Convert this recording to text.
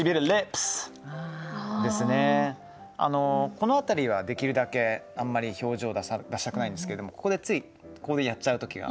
この辺りはできるだけあんまり表情出したくないんですけれどもここでついここでやっちゃう時が。